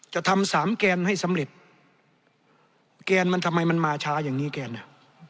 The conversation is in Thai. จะทำสามแกนให้สำเร็จแกนมันทำไมมันมาช้าอย่างนี้แกน่ะ